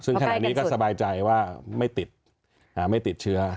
ซึ่งขณะนี้ก็สบายใจว่าไม่ติดไม่ติดเชื้อ